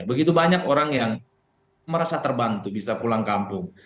begitu banyak orang yang merasa terbantu bisa pulang kampung